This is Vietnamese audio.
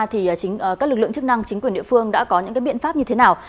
thì các lực lượng chức năng chính quyền địa phương đã có những biện pháp như thế nào